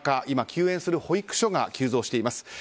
今、休園する保育所が急増しています。